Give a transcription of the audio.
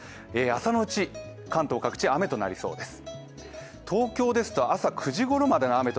朝のうち、関東各地、雨となりそうです。